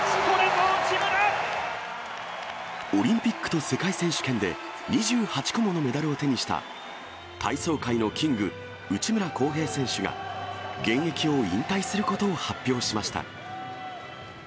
これぞオリンピックと世界選手権で、２８個ものメダルを手にした、体操界のキング、内村航平選手が、現役を引退することを発表しました。